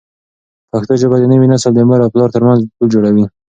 پښتو ژبه د نوي نسل د مور او پلار ترمنځ پل جوړوي.